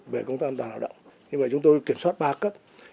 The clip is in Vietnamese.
về công tác an toàn lao động nhưng mà chúng tôi kiểm soát ba cấp